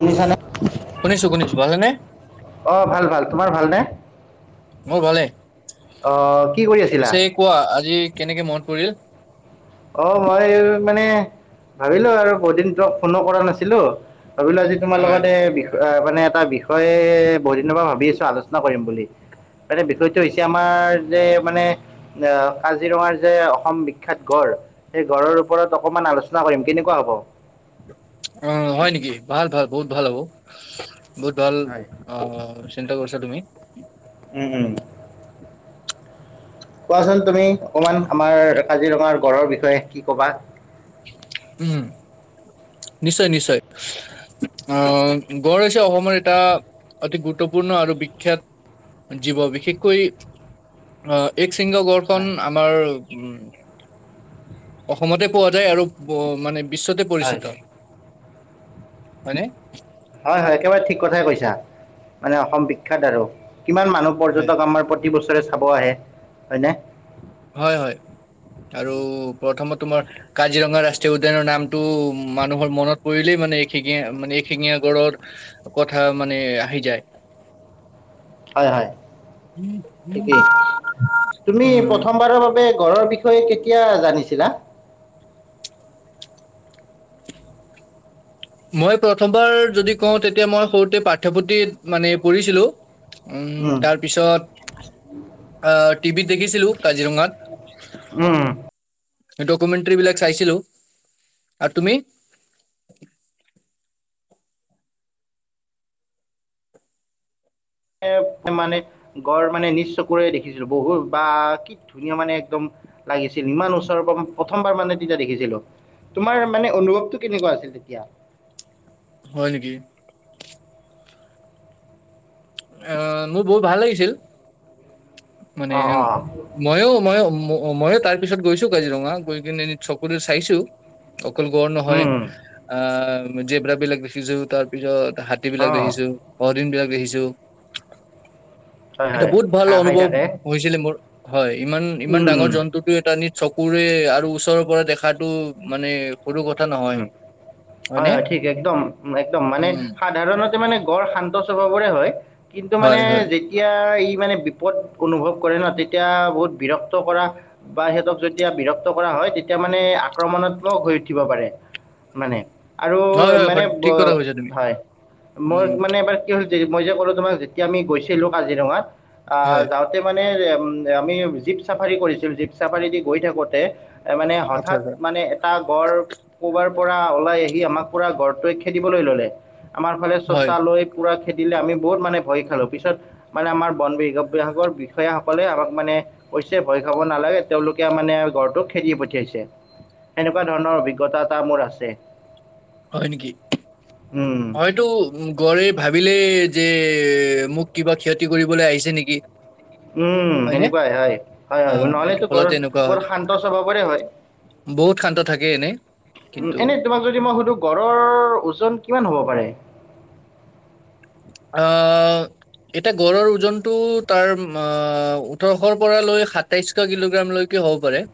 শুনিছানে শুনিছো শুনিছো ভালেনে? অ ভাল ভাল তোমাৰ ভালনে মোৰ ভালেই অ' কি কৰি আছিলা? পিছে কোৱা আজি কেনেকে মন পৰিল। অ মই মানে ভাবিলো আৰু বহুত দিন তাক ফোনো কৰা নাছিলো। ভাবিলো আজি তোমাৰ হয় লগত এ বি মানে এটা বিষয়ে বহুত দিনৰ পৰা ভাবি আছো আলোচনা কৰিম বুলি [unintelligible] [inaudible] মে বিষয়টো হৈছে আমাৰ যে মানে কাজিৰঙাৰ যে অসম বিখ্যাত। গড় সেই গড়ৰ ওপৰত অকমান আলোচনা কৰিম কেনেকুৱা হ'ব [unintelligible] অ হয় নেকি ভাল ভাল বহুত ভাল হব। বহুত ভাল হয়। অ চিন্তা কৰিছা তুমি। উম উম কোৱাচোন তুমি অকমান আমাৰ কাজিৰঙাৰ গড়ৰ বিষয়ে কি কবা উম নিশ্চয় নিশ্চয়। অ গড় হৈছে অসমৰ এটা। অতি গুৰুত্বপূৰ্ণ আৰু বিখ্যাত জীৱ বিশেষকৈ আহ এক [unintelligible] শৃংগ গড়খন হয় আমাৰ [unintelligible] উম অসমতে পোৱা যায় আৰু মানে। বিশ্বতে পৰিচিত। হয় হয়নে হয় হয় একেবাৰে ঠিক কথাই কৈছা মানে অসম বিখ্যাত আৰু কিমান মানুহ হয় পৰ্যটক আমাৰ প্ৰতি বছৰে চাব আহে হয়নে হয় হয় আৰু প্ৰথমত তোমাৰ কাজিৰঙা ৰাষ্ট্ৰীয় উদ্যানৰ নামটো মানুহৰ মনত পৰিলেই। মানে এখিঙা মানে এশিঙীয়া গঁড়ৰ কথা মানে আহি যায় হয় হয়। ঠিকেই তুমি উম, প্ৰথমবাৰৰ বাবে [unintelligible] ঘৰৰ বিষয়ে কেতিয়া জানিছিলা। [unintelligible] মই প্ৰথমবাৰ যদি কওঁ তেতিয়া মই সৰুতে পাঠ্যপুথি মানে পঢ়িছিলো। উম উম তাৰ পিছত। আহ টিভিত দেখিছিলো কাজিৰঙাত। উম ডকুমেন্টাৰী বিলাক চাইছিলো আৰু তুমি [unintelligible] মানে গড় মানে নি চকুৰে দেখিছিলো বহুত বা কি ধুনীয়া মানে একদম লাগিছিল ইমান ওচৰৰ পৰা প্ৰথমবাৰ মানে তেতিয়া দেখিছিলো তোমাৰ মানে অনুভৱটো কেনেকুৱা আছিল তেতিয়া। হয় নেকি আহ মোৰ বহুত ভাল লাগিছিল মানে অ অ মইয়ো মই। অ মইয়ে তাৰ পিছত গৈছো কাজিৰঙা গৈ কিনে এ চকুৰে চাইছো। অকল গড় নহয় উম আহ জেবৰা বিলাক দেখিছোও তাৰ পিছত [unintelligible] হাতী অ বিলাক দেখিছো অহদিন বিলাক দেখিছো [unintelligible] হয় এটা হয় বহুত ভাল ঘাঁহ খাই অনুভৱ থাকে হৈছিলে মোৰ। হয় ইমান ইমান উম ডাঙৰ জন্তুটো এটা নিচ চকুৰে আৰু ওচৰৰ পৰা দেখাতটো মানে সৰু উ কথা নহয় হয় হয়নে হয় ঠিক একদম একদম মানে উম সাধাৰণতে মানে গড় শান্ত [unintelligible] মানে কিন্তু মানে হয় হয় এতিয়া। মানে বিপদ অনুভৱ কৰে ন তেতিয়া বহুত বিৰক্ত কৰা বা সিহঁতক যেতিয়া বিৰক্ত কৰা হয় [unintelligible] হয় তেতিয়া মানে আক্ৰমণাত্মক হৈ উঠিব পাৰে মানে আৰু হয় হয় মানে স- ঠিক কথা কৈছা তুমি হয় মোৰ উম মানে এবাৰ কি হ'ল। মই যে ক'লো তোমাক যেতিয়া আমি গৈছিলো কাজিৰঙাত অ হয় যাওঁতে মানে। েম আমি জীপ চাফাৰী কৰিছিলো জীপ চাফাৰী দি গৈ থাকোতে [unintelligible] মানে আচ্ছা হঠাৎ আচ্ছা মানে এটা গড়। পৰা ওলাই আহি আমাক পুৰা ঘৰটই খেদিবলৈ ললে আমাৰ ফালে হয় চচা লৈ পুৰা। খেদিলে আমি বহুত মানে ভয় খালো পিছত মানে আমাৰ বন বিভ- বিভাগৰ বিষয়াসকলে আমাক মানে কৈছে ভয় খাব নালাগে তেওঁলোকে মানে গড়টোক খেদি পঠিয়াইছে। এনেকুৱা ধৰণৰ অভিজ্ঞতা এটা মোৰ আছে। হয় নেকি? উম, হয়টো গড় এ ভাবিলে যে মোক কিবা ক্ষতি কৰিবলৈ আহিছে নেকি? উম, হয়নে সেনেকুৱাই হয় -হয় অ -হয় এইটো নহলেতো গড় ফলতে এনেকুৱা বৰ হয় শান্ত স্বভাৱৰে হয়। বহুত শান্ত থাকে এনেই কিন্তু, গড়ৰ ওজন কিমান হ'ব পাৰে? অহ এতিয়া গড়ৰ ওজনতটো তাৰ ওঠৰশ পৰা লৈ সাতাইশশ কিলোগ্ৰাম লৈকে হব পাৰে।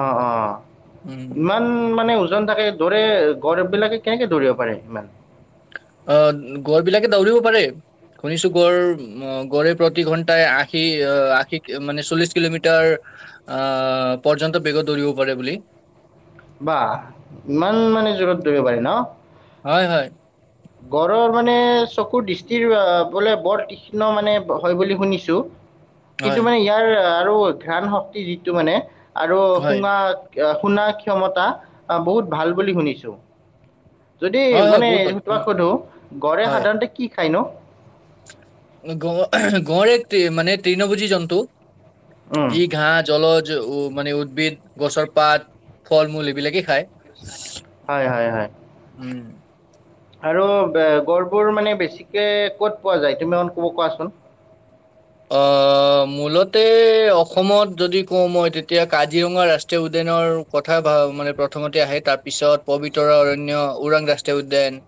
অহ - অহ উম ইমান মানে ওজন থাকে দৌৰে গড়ে- গড়বিলাকে কেনেকে দৌৰিব পাৰে ইমান? অহ, গড় বিলাকে দাউৰিব পাৰে। শুনিছো গড় -গড়ে প্ৰতি ঘন্টাই আশী- আশী মানে চল্লিশ কিলোমিটাৰ আহ পৰ্যন্ত বেগত দৌৰিব পাৰে বুলি। বা ইমান মানে জোৰত দৌৰিব পাৰে ন'? হয় -হয় গড়ৰ মানে চকুৰ দৃষ্টিৰ বোলে বৰ তীক্ষ্ণ মানে হয় বুলি শুনিছোঁ। হয় কিন্তু মানে ইয়াৰ আৰু ঘ্ৰাণ শক্তি যিটো মানে আৰু হয় সুঙা শুনা ক্ষমতা বহুত ভাল বুলি শুনিছো। যদি হয় হয় মানে বহুত ভাল তোমাক সুধো গড়ে হয় সাধাৰণতে কি খায় নু? গ -গড়ে মানে তৃণভোজী জন্তু ই -ঘাঁ জলজ উ মানে উদ্ভিদ গছৰ পাত ফল -মূল এইবিলাকে খায়। হয়- হয়- হয় উম আৰু বে গড়বোৰ মানে বেছিকে ক'ত পোৱা যায় তুমি অন ক'ব কোৱাচোন? [inaudible] অ', অ', মূলতে অসমত যদি কওঁ মই তেতিয়া কাজিৰঙা ৰাষ্ট্ৰীয় উদ্যানৰ কথা ভাব মানে প্ৰথমতে আহে তাৰ পিছত পবিতৰা অৰণ্য, ওৰাং ৰাষ্ট্ৰীয় উদ্যান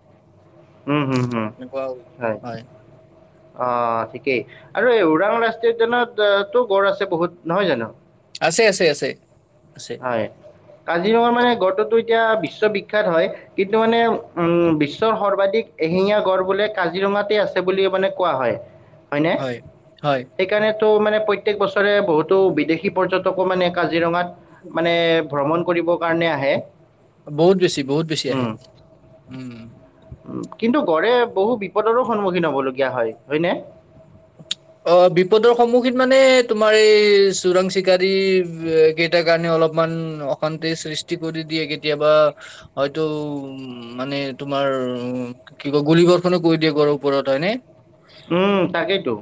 উম, হম- হম এনেকুৱা - হয়। অহ, ঠিকেই আৰু এই ওৰাং ৰাষ্ট্ৰীয় উদ্যানত তো গড় আছে বহুত নহয় জানো। আছে -আছে - আছে। আছে হয়, কাজিৰঙা মানে গড়টোতো এতিয়া বিশ্ব বিখ্যাত হয় কিন্তু মানে উম বিশ্বৰ সৰ্বাধিক এহিঙীয়া গড় বোলে কাজিৰঙাতে আছে। বুলি মানে কোৱা হয়। হয় নে, সেইকাৰণেতো মানে প্ৰত্যেক বছৰে বহুতো বিদেশী পৰ্যটকো মানে কাজিৰঙাত মানে ভ্ৰমণ কৰিব বহুত বেছি- বহুত বেছি আহে উম, উম। কিন্তু গড় এ বহু বিপদৰো সন্মুখীন হব লগীয়া হয় হয়নে? অ', বিপদৰ সন্মুখীন মানে তোমাৰ এই চোৰাং- চিকাৰী কেইটাৰ কাৰণে অলপ ইমান অশান্তিৰ সৃষ্টি কৰি দিয়ে কেতিয়াবা হয়তো উম মানে তোমাৰ আৰু কি কয় গুলি গৰখনো কৈ দিয়ে গড়ৰ ওপৰত হয়নে? উম, তাকেইতো।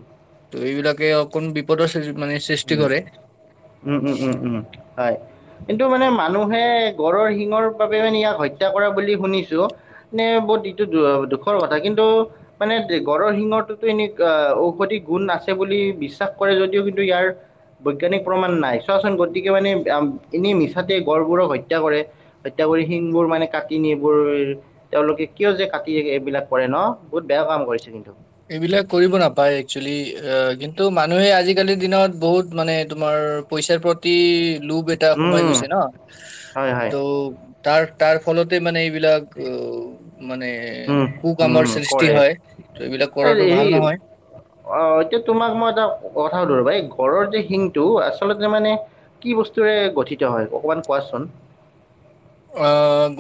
ত' এইবিলাকে অকণ বিপদৰ সৃ- মানে সৃষ্টি উম কৰে। -উম -উম -উম -উম হয়। কিন্তু মানে মানুহে গড়ৰৰ শিঙৰ বাবে মানে ইয়াক হত্যা কৰা বুলি শুনিছো নে বহুত এইটো দুখৰ কথা কিন্তু মানে গড়ৰ শিঙৰটোতো এনে ঔষধি গুণ না আছে বুলি বিশ্বাস কৰে যদিও কিন্তু ইয়াৰ বৈজ্ঞানিক প্ৰমাণ নাই চোৱাচোন গতিকে মানে এনেই মিছাতে গড়বোৰক হত্যা কৰে হত্যা কৰি শিংবোৰ মানে কাটি নি এইবোৰ তেওঁলোকে কিয় যে কাটি এইবিলাক কৰে ন বহুত বেয়া এ কাম কৰিছে কিন্তু এইবিলাক কৰিব নাপায় একচোৱেলি কিন্তু মানুহে আজিকালিৰ দিনত বহুত মানে তোমাৰ ৰ পইচাৰ প্ৰতি লোভ এটা উম সোমাই উম গৈছে ন হয় হয় ত' তাৰ তাৰ ফলতে মানে এইবিলাক অ মানে উম কু কামৰ সৃষ্টি হয় ত এইবিলাক এই কৰাটো ভাল হেৰি নহয়। অ এতিয়া তোমাক মই এটা কথা ৰবা এই ঘৰৰ যে শিংটো আচলতে মানে কি বস্তুৰে গঠিত হয় অকমান কোৱাচোন অ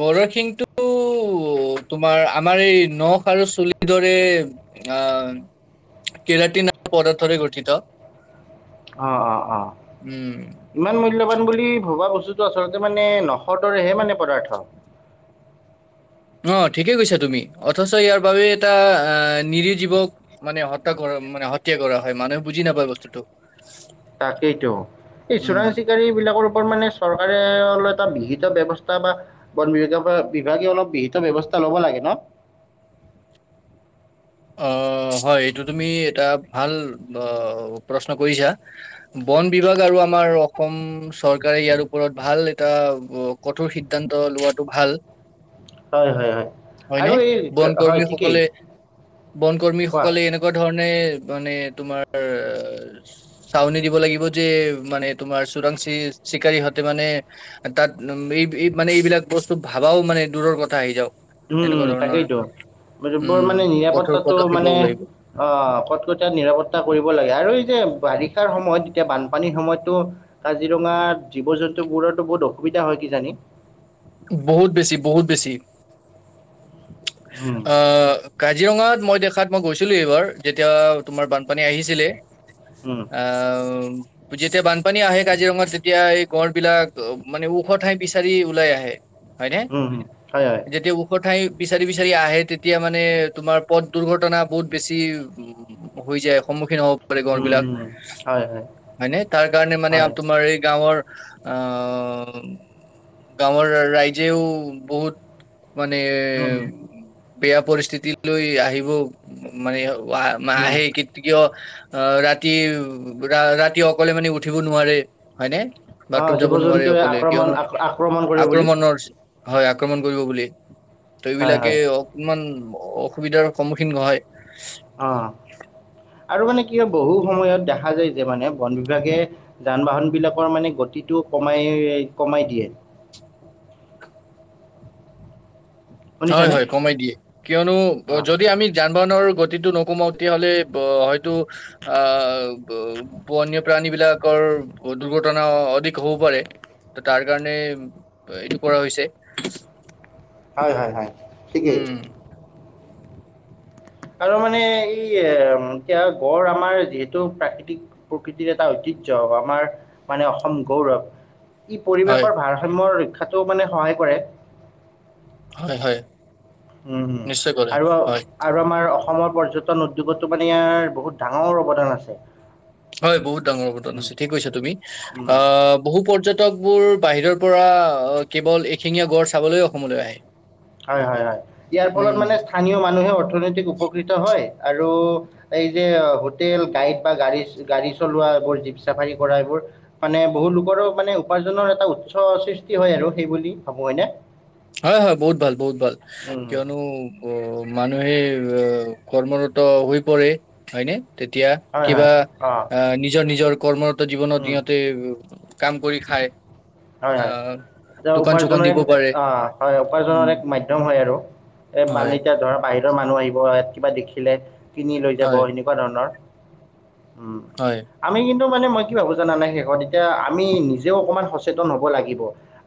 গড়ৰ শিংটো অ তোমাৰ আমাৰ এই নখ আৰু চুলিৰ দৰে আহ কেৰাটীনা পদাৰ্থৰে গঠিত অ অ অ উম ইমান মূল্যবান বুলি ভবা বস্তু আচলতে মানে নসদৰেহে মানে পদাৰ্থ অ ঠিকে কৈছা তুমি অথচ ইয়াৰ বাবে এটা আহ নিৰজীৱক মানে হত্যা কৰা মানে হত্যা কৰা হয় মানুহে বুজি নাপায় বস্তুটো তাকেইতো এই উম চোৰাং চিকাৰী বিলাকৰ ওপৰত মানে চৰকাৰে অকলে এটা বিহিত ব্যৱস্থা বা বন বিভা বিভাগে অলপ বিহিত ব্যৱস্থা লব লাগে ন [unintelligible] অ হয় এইটো তুমি এটা ভাল অ প্ৰশ্ন কৰিছা বন বিভাগ আৰু আমাৰ অসম চৰকাৰে ইয়াৰ ওপৰত ভাল এটা কঠোৰ সিদ্ধান্ত ল কোৱাটো ভাল হয় হয় হয় হয়নে আৰু এই বন হয় ঠিকেই কৰ্মীসকলে বন কোৱা কৰ্মীসকলে এনেকুৱা ধৰণে মানে তোমাৰ চাউনি দিব লাগিব যে মানে তোমাৰ চোৰাং চি চিকাৰিহতে মানে তাত উম ইপ মানে এইবিলাক বস্তু ভাবাও মানে দূৰৰ কথা আহি যাব উম উম তাকেইতো বৰ উম মানে নিৰা কঠোৰ নিৰাপত্তাটো পদক্ষেপ মানে লব লাগিব অ কটকটীয়া নিৰাপত্তা কৰিব লাগে আৰু এই যে বাৰিষ শাৰ সময়ত এতিয়া বানপানীৰ সময়ততো কাজিৰঙা জীৱ জন্তুবোৰতো বহুত অসুবিধা হয় কি জানি [inaudible] বহুত বেছি বহুত বেছি উম আহ কা কাজিৰঙাত মই দেখাত মই গৈছিলো এইবাৰ যেতিয়া তোমাৰ বানপানী আহিছিলে উম আহ যেতিয়া বানপানী আহে কাজিৰঙাৰ তেতিয়া গড় বিলাক মানে ওখ ঠাই বিচাৰি ওলাই আহে হয়নে উম উম হয় হয় যেতিয়া ওখ ঠাই বিচাৰি বিচাৰি আহে তেতিয়া মানে তোমাৰ পথ দুৰ্ঘটনা বহুত বেছি উ হৈ যায় সন্মুখীন হ'ব গৰ উম বিলাক উম হয় হয় হয়নে তাৰ কাৰণে মানে হয় তোমাৰ এই গাঁৱৰ আহ গাঁৱৰ ৰাইজেও বহুত মানে উম উম বেয়া পৰিস্থিতি লৈ আহিব মানে ৱাহ উম। আহে কিয় অ ৰাতি ৰা ৰাতি অকলে মানে উঠিব নোৱাৰে হয়নে অ বাথৰুম জীৱ যাব নোৱাৰে জন্তুৱে অকলে আক্ৰমণ কিয়নো আক- আক্ৰমণ কৰে বুলি আক্ৰমণৰ হয় আক্ৰমণ কৰিব বুলি ত হয় এইবিলাকে হয় অকমান অসুবিধাৰ সন্মুখীন নহয় অ আৰু মানে ক বহু সময়ত দেখা যায় যে মানে বন বিভাগে যান বাহন বিলাকৰ মানে প্ৰতিটো কমাই কমাই দিয়ে হয় শুনিছানে হয় কমাই দিয়ে কিয়নো অ'। যদি আমি জা বনৰ গতিটো নকৌমতি হলে ব আহ হয়টো বন্য প্ৰাণী বিলাকৰ দুৰ্ঘটনা অধিক হ'ব পাৰে ত তাৰ কাৰণে এইটো কৰা হৈছে হয় হয় হয় ঠিকেই। উম। আৰু মানে এই এ এতিয়া গড় আমাৰ যিহেতু প্ৰাকৃতিক প্ৰকৃতিৰ এটা ঐতিহ্য। জ আমাৰ মানে অসম গৌৰৱ [unintelligible] ই, হয় পৰিৱেশৰ ভাৰসাম্য ৰক্ষাটো মানে সহায় কৰে। হয় হয় উম হম নিশ্চয় কৰে আৰু হয় আৰু আমাৰ অসমৰ পৰ্যটন উদ্যোগতো মানে ইয়াৰ বহুত ডাঙৰ অৱদান আছে। হয় বহুত ডাঙৰ অৱদান উম, আছে। ঠিক কৈছা তুমি, উম। আহ বহু পৰ্যটক বোৰ বাহিৰৰ পৰা কেৱল এশিঙীয়া গড় চাবলৈ অসমলৈ আহে হয় হয় হয় ইয়াৰ ফলত উম মানে স্থানীয় মানুহে অৰ্থনৈতিক উপকৃত হয় আৰু এই যে হোটেল গাইড বা গাড়ী গাড়ী চলোৱা এইবোৰ জীপ চাফাৰী কৰা এইবোৰ মানে বহু লোকৰো মানে উপাৰ্জনৰ এটা উৎস সৃষ্টি হয় আৰু সেই বুলি ভাবো এনে হয়, হয়, বহুত ভাল, বহুত ভাল কিয়নো অ মানুহে উম। কৰ্মৰত হৈ পৰে হয়নে? তেতিয়া হয় কিবা হয় অঁ আহ নিজৰ নিজৰ কৰ্মৰত জীৱনত সিহঁতে কাম কৰি খায় হয় আ দোকান চোকান দিব পাৰে অ হয় উপাৰ্জনৰ উম এক মাধ্যম হয় আৰু এই বান হয় এতিয়া ধৰা বাহিৰৰ মানুহ আহিব কিবা দেখিলে কিনি লৈ যাব হয় এনেকুৱা ধৰণৰ উম, হয় আমি কিন্তু মানে মই কি ভাবো জানান নাই শেষত এতিয়া আমি নিজেও অকমান সচ সচেতন হব লাগিব।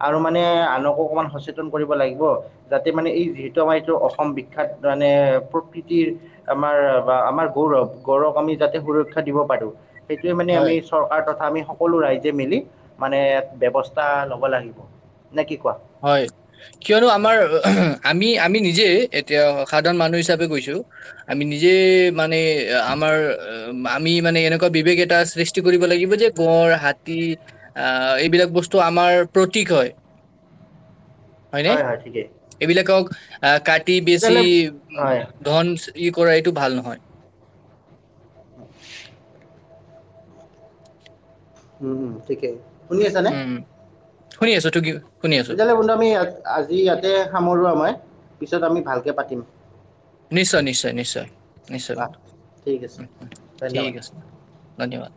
আৰু মানে আনকো অকমান সচেতন কৰিব লাগিব, যাতে মানে এই যিহেতু আমাৰ অসম বিখ্যাত মানে প্ৰকৃতিৰ আমাৰ বা আমাৰ গৌৰৱ গৌৰৱ আমি যাতে সোৰক্ষীয়া দিব পাৰিম সেইটোৱে মানে হয় আমি চৰকাৰ কথা আমি সকলো ৰাইজে মিলি মানে [unintelligible] ব্যৱস্থা ল'ব লাগিব নে কি কোৱা? হয় কিয়নো আমাৰ আমি আমি নিজে এতিয়া সাধাৰণ মানুহ হিচাপে গৈছো আমি নিজে মানে আমাৰ আমি মানে এনেকুৱা বিবেক এটা সৃষ্টি কৰিব লাগিব যে গড় হাতী আহ এইবিলাক বস্তু আমাৰ প্ৰতীক হয়। [inaudible] হয় নে এইবিলাকক আ কাটি বেছি তেতিয়াহ'লে উম হয় ঘন চুলি কৰা এইটো ভাল নহয় [inaudible] উম, উম, ঠিকে। শুনি আছানে? উম শুনি আছো তু কি তেতিয়াহ'লে বন্ধু আমি আজি ইয়াতে সামৰো মই। পিছত আমি ভালকে পাতিম। নিশ্চয় নিশ্চয় নিশ্চয় নিশ্চয় বোলো ঠিক আছে উম উম ঠিক ধন্যবাদ আছে ধন্যবাদ